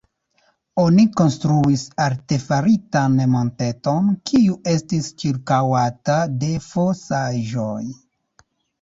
Oni konstruis artefaritan monteton, kiu estis ĉirkaŭata de fosaĵoj.